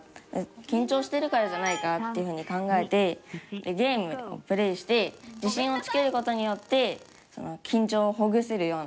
緊張してるからじゃないかなっていうふうに考えてゲームをプレーして自信をつけることによって緊張をほぐせるような。